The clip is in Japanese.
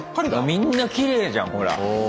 みんなきれいじゃんほら。